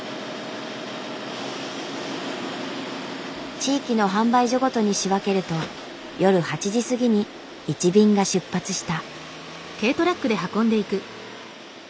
地域の販売所ごとに仕分けると夜８時過ぎに１便が出発した。